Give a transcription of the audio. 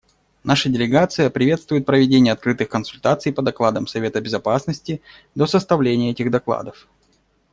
Наша делегация приветствует проведение открытых консультаций по докладам Совета Безопасности до составления этих докладов.